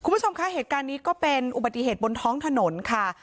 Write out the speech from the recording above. คุณผู้ชมคะเหตุการณ์นี้ก็เป็นอุบัติเหตุบนท้องถนนค่ะ